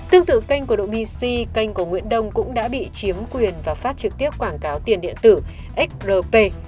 tương tự kênh của độ bc kênh của nguyễn đông cũng đã bị chiếm quyền và phát trực tiếp quảng cáo tiền điện tử xrp